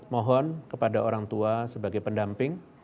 mohon kepada orang tua sebagai pendamping